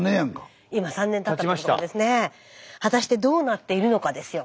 果たしてどうなっているのかですよ。